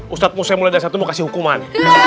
ustadz musa mulia i mau kasih hukuman